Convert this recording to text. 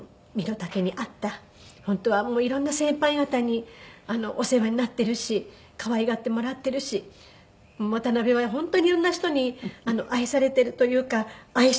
本当は色んな先輩方にお世話になっているし可愛がってもらっているし渡辺は本当に色んな人に愛されているというか愛していたし。